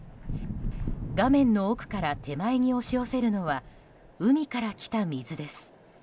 画面の奥から手前に押し寄せるのは海から来た水です。